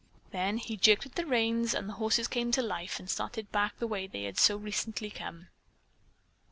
Then he jerked at the reins and the horses came to life and started back the way they had so recently come.